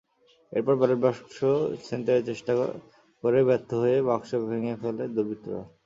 এরপর ব্যালট বাক্স ছিনতাইয়ের চেষ্টা করে ব্যর্থ হয়ে বাক্স ভেঙে ফেলে দুর্বৃত্তরা।